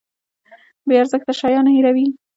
بې ارزښته شیان هیروي.